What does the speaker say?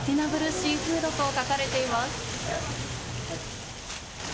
シーフードと書かれています。